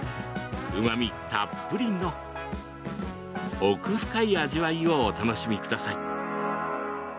うまみたっぷりの奥深い味わいをお楽しみください。